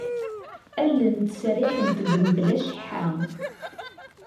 Allen ttseriḥent-d mebla cceḥḥa.